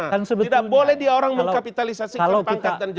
tidak boleh dia orang mengkapitalisasi kebangkatan jabatannya